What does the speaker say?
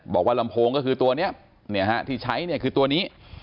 ลำโพงก็คือตัวนี้ที่ใช้เนี่ยคือตัวนี้